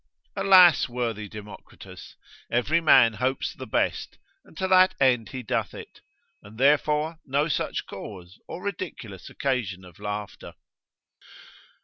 Alas, worthy Democritus, every man hopes the best, and to that end he doth it, and therefore no such cause, or ridiculous occasion of laughter.